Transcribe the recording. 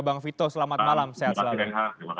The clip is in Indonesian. bang vito selamat malam sehat selalu